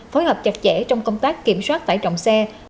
phối hợp chặt chẽ trong công tác kiểm soát tải trọng xe